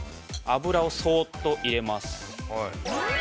油をそっと入れます。